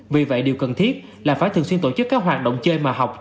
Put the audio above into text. vì vậy điều cần thiết là phải thường xuyên tổ chức các hoạt động chơi mà học